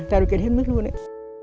tạo được cái thêm mức luôn đấy